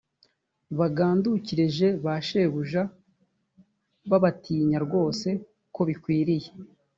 bagandukire j ba shebuja babatinya rwose uko bikwiriye